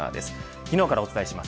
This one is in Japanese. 昨日からお伝えします